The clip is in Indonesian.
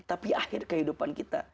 tapi akhir kehidupan kita